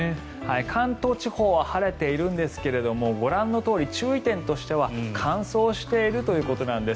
関東地方は晴れているんですがご覧のとおり注意点としては乾燥しているということなんです。